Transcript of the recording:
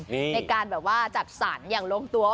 ในการจับสรรอย่างลงตัว